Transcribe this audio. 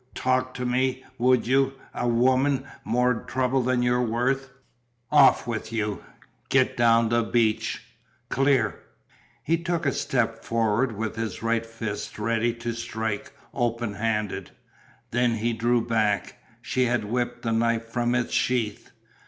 Talk to me, would you! A woman more trouble than you're worth. Off with you, get down the beach clear!" He took a step forward with his right fist ready to strike, open handed. Then he drew back. She had whipped the knife from its sheath.